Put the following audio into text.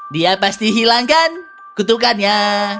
dia pasti hilangkan kutukannya